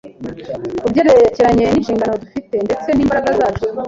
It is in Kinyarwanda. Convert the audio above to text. Ku byerekeranye n’inshingano dufite ndetse n’imbaraga zacu,